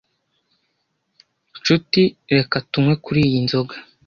nshuti reka tunywe kuri iyi nzoga